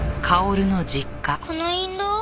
この印籠？